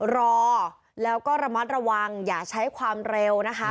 รอแล้วก็ระมัดระวังอย่าใช้ความเร็วนะคะ